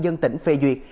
được ubnd tỉnh phê duyệt